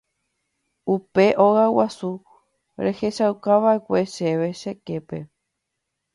Upe óga guasu rehechaukava'ekue chéve che képe.